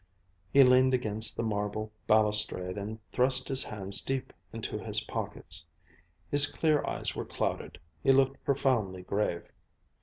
He leaned against the marble balustrade and thrust his hands deep into his pockets. His clear eyes were clouded. He looked profoundly grave.